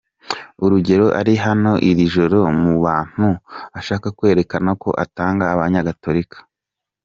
Urugero ari hano iri joro, mu bantu ashaka kwerekana ko atanga abanyagatolika.